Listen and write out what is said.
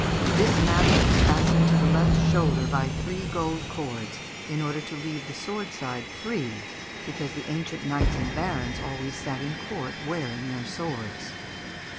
This mantle was fastened to the left shoulder by three gold cords, in order to leave the sword side free, because the ancient knights and barons always sat in court wearing their swords.